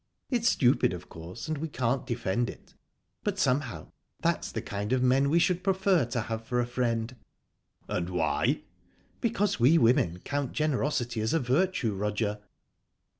It's stupid, of course, and we can't defend it, but somehow that's the kind of men we should prefer to have for a friend." "And why?" "Because we women count generosity as a virtue, Roger."